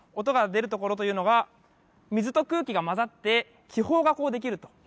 音が出るところというのが水と空気が交ざって気泡ができると。